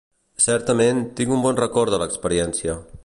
Certament, tinc un bon record de l'experiència.